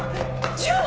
純！